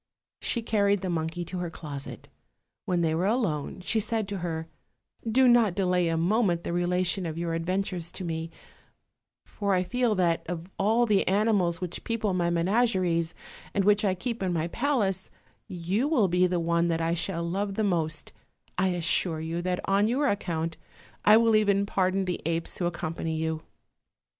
She carried the monkey to her closet. When they were alone she said to her: "Do not delay a moment the rela tion of your adventures to me; for I feel that of all the animals which people my menageries and which I keep in my palace, you will be the one that I shall love the most: I assure you that on your account I will even pardon the apes who accompany you."